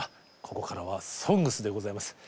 ここからは「ＳＯＮＧＳ」でございます。